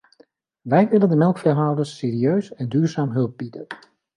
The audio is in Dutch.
Wij willen de melkveehouders serieus en duurzaam hulp bieden.